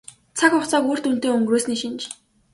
Цаг хугацааг үр дүнтэй өнгөрөөсний шинж.